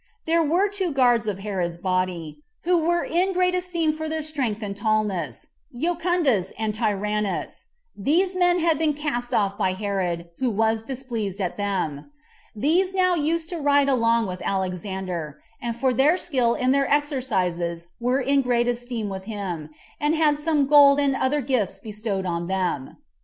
There were two guards of Herod's body, who were in great esteem for their strength and tallness, Jucundus and Tyrannus; these men had been cast off by Herod, who was displeased at them; these now used to ride along with Alexander, and for their skill in their exercises were in great esteem with him, and had some gold and other gifts bestowed on them.